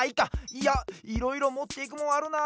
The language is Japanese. いやいろいろもっていくもんあるな。